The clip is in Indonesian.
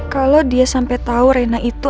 kalau dia sampe tau rena itu